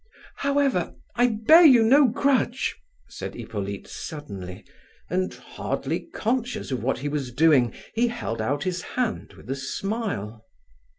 "However, I bear you no grudge," said Hippolyte suddenly, and, hardly conscious of what he was doing, he held out his hand with a smile.